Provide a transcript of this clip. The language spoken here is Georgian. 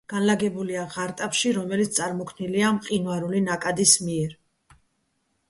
განლაგებულია ღარტაფში, რომელიც წარმოქმნილია მყინვარული ნაკადის მიერ.